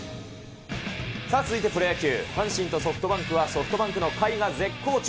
さあ続いてプロ野球、阪神とソフトバンクはソフトバンクの甲斐が絶好調。